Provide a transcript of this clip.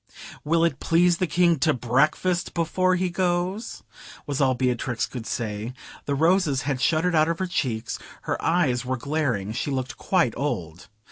"Will it please the King to breakfast before he goes?" was all Beatrix could say. The roses had shuddered out of her cheeks; her eyes were glaring; she looked quite old.